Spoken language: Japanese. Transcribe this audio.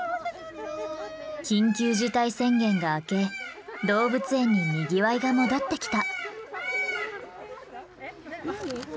緊急事態宣言が明け動物園ににぎわいが戻ってきた。